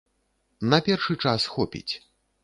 На першы час хопіць.